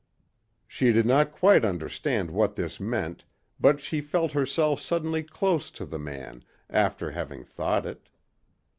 She did not quite understand what this meant but she felt herself suddenly close to the man after having thought it.